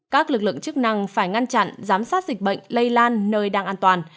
các lực lượng chức năng phải ngăn chặn giám sát dịch bệnh lây lan nơi đang an toàn